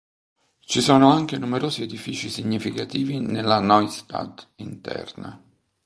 Ci sono anche numerosi edifici significativi nella Neustadt interna.